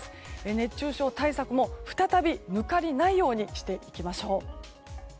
熱中症対策も再び抜かりないようにしていきましょう。